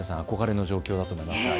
憧れの状況だと思います。